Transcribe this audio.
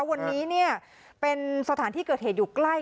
วันนี้เป็นสถานที่เกิดเหตุอยู่ใกล้